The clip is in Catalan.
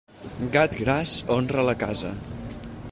Gat gras honra la casa.